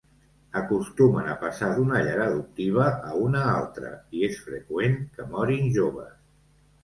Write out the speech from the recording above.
Acostumen a passar d'una llar adoptiva a una altra i és freqüent que morin joves.